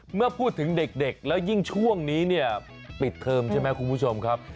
เมื่อพูดถึงเด็กแล้วยิ่งช่วงนี้เนี่ยปิดเทอมใช่ไหมคุณผู้ชมครับ